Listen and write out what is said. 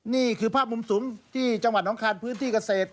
นี่คือภาพมุมสูงที่จังหวัดน้องคารพื้นที่เกษตร